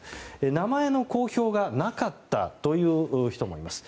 名前の公表がなかったという人もいます。